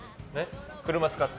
車使って。